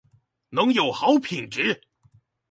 能有好品質